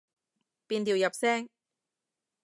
變調入聲